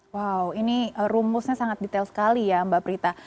wow ini rumusnya sangat detail sekali ya mbak prita